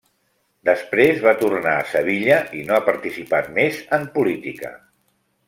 Després va tornar a Sevilla i no ha participat més en política.